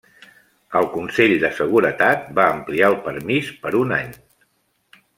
El Consell de Seguretat va ampliar el permís per un any.